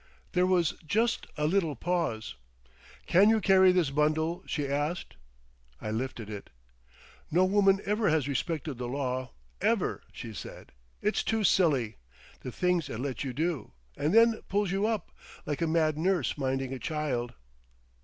There was just a little pause. "Can you carry this bundle?" she asked. I lifted it. "No woman ever has respected the law—ever," she said. "It's too silly.... The things it lets you do! And then pulls you up—like a mad nurse minding a child."